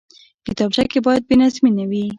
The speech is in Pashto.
کتابچه کې باید بېنظمي نه وي